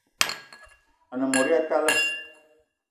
A-ne mot ya talla